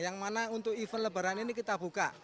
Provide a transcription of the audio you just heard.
yang mana untuk event lebaran ini kita buka